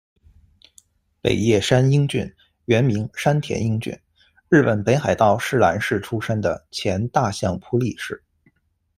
北叶山英俊，，原名山田英俊，日本北海道室兰市出身的前大相扑力士。